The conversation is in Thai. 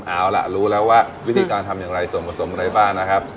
เอาล่ะรู้แล้วว่าวิธีการทำอย่างไรส่วนผสมอะไรบ้างนะครับ